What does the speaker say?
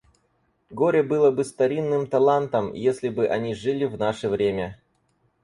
Горе было бы старинным талантам, если бы они жили в наше время.